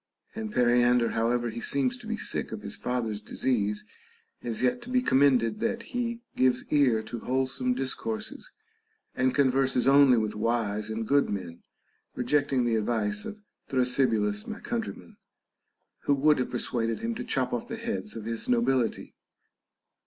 And Periander, however he seems to be sick of his father's disease, is yet to be commended that he gives ear to wholesome discourses and converses only with wise and good men, rejecting the advice of Thrasybulus my countryman, who would have persuaded him to chop off the heads of his nobility.